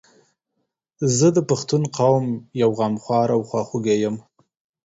زه د پښتون قوم یو غمخوار او خواخوږی یم